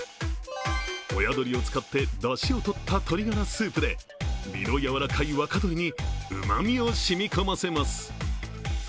親鶏を使ってだしをとった鶏ガラスープで身の柔らかい若鶏にうまみを染み込ませます。